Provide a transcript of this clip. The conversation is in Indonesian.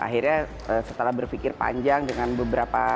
jadi akhirnya setelah berpikir panjang dengan beberapa